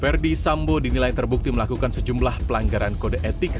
verdi sambo dinilai terbukti melakukan sejumlah pelanggaran kode etik